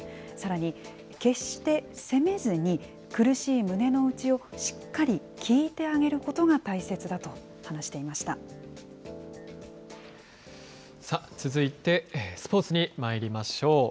さらに、決して責めずに、苦しい胸の内をしっかり聞いてあげることが大切だと話していまし続いてスポーツにまいりましょう。